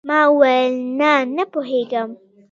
ما وويل نه نه پوهېږم.